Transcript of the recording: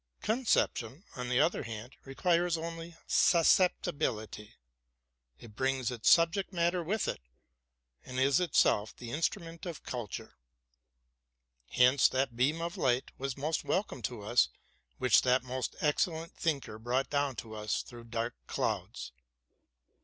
Concep tion, on the other hand, requires only susceptibility: it brings its subject matter with it, and is itself the instrument of culture. Hence that beam of light was most welcome to us which that most excellent thinker brought down to us through dark clouds.